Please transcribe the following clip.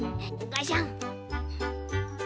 ガシャン。